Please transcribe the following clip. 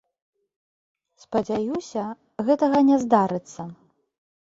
Спадзяюся, гэтага не здарыцца.